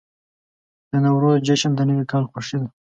د نوروز جشن د نوي کال خوښي ده.